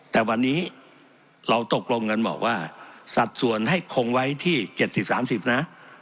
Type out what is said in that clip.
แต่วันนี้เราตกลงกันบอกว่าสัดส่วนให้คงไว้ที่๗๐๓๐นะ